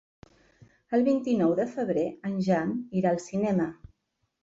El vint-i-nou de febrer en Jan irà al cinema.